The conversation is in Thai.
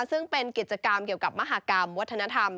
ซึ่งเป็นกิจกรรมเกี่ยวกับมหากรรมวัฒนธรรม